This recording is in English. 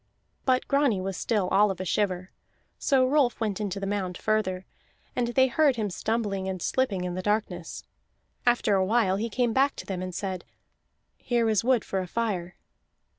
But Grani was still all of a shiver, so Rolf went into the mound further, and they heard him stumbling and slipping in the darkness. After a while he came back to them and said: "Here is wood for a fire."